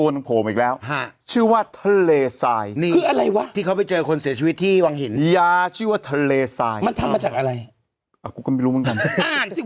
ยาชื่อว่าทะเลทรายมันทำมาจากอะไรอ่ะกูก็ไม่รู้เหมือนกันอ่านสิ